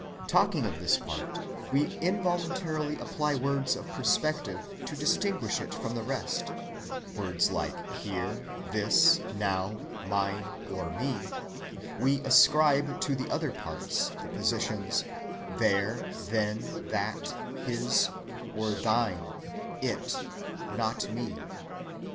Talking of this part, we involuntarily apply words of perspective to distinguish it from the rest, words like "here," "this," "now," "mine," or "me"; and we ascribe to the other parts the positions "there," "then," "that," "his" or "thine," "it," "not me."